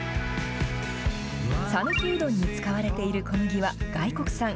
讃岐うどんに使われている小麦は外国産。